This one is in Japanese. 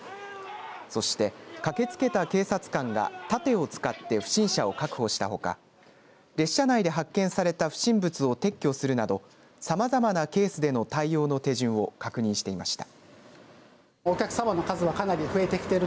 そして駆けつけた警察官が盾を使って不審者を確保したほか列車内で発見された不審物を撤去するなどさまざまなケースでの対応の手順を確認していました。